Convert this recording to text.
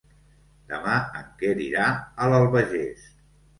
Demà en Quer irà a l'Albagés.